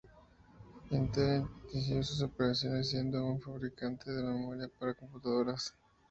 Intel inició sus operaciones siendo un fabricante de memoria para computadoras.